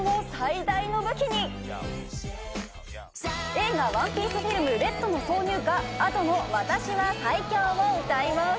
映画『ＯＮＥＰＩＥＣＥＦＩＬＭＲＥＤ』の挿入歌Ａｄｏの『私は最強』を歌います。